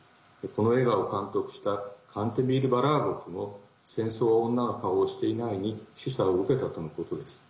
この映画を監督したカンテミール・バラーゴフも「戦争は女の顔をしていない」に示唆を受けたとのことです。